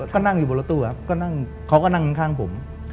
ก็นั่งอยู่บนรถตู้ครับก็นั่งเขาก็นั่งข้างผม